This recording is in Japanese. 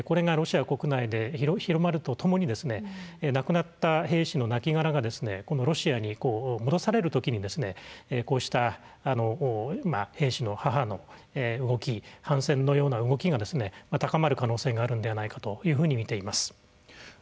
これがロシア国内で広まるとともに亡くなった兵士のなきがらがロシアに、戻されるときにこうした兵士の母の動き反戦のような動きが高まる可能性があるんではないかとみています。